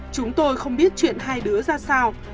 chúng tôi không biết chuyện hai đứa ra sao